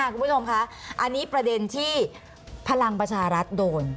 คุณผู้ชมคะอันนี้ประเด็นที่พลังประชารัฐโดน